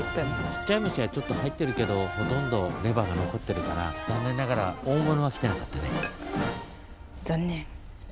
ちっちゃい虫はちょっと入ってるけどほとんどレバーがのこってるから残念ながら残念。